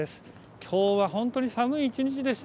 きょうは本当に寒い一日でした。